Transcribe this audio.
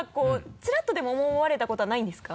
チラッとでも思われたことはないんですか？